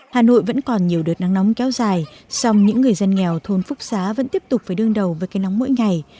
hà nội vẫn còn nhiều đợt nắng nóng kéo dài song những người dân nghèo thôn phúc xá vẫn tiếp tục phải đương đầu với cái nóng mỗi ngày